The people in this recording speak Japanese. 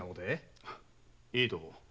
いいとも。